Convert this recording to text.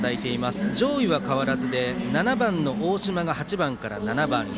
上位は変わらずで７番の大島が８番から７番へ。